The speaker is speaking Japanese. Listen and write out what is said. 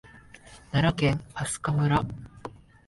奈良県明日香村